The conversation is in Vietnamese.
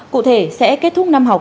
cụ thể sẽ kết thúc năm học